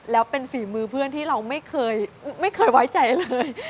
แล้วเป็นฝีมือเพื่อนที่เราไม่เคยไว้ใจเลย